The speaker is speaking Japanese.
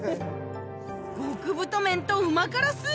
極太麺とうま辛スープ